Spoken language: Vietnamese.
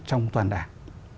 trong toàn đảng